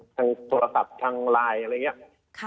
ทางโทรศัพท์ทางไลน์อะไรอย่างนี้